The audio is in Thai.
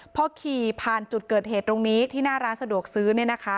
พอขี่ผ่านจุดเกิดเหตุตรงนี้ที่หน้าร้านสะดวกซื้อ